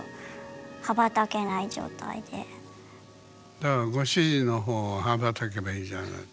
だからご主人の方へ羽ばたけばいいじゃない。